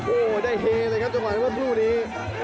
โอ้ได้เฮเลยครับจากว่านั้นว่าคู่นี้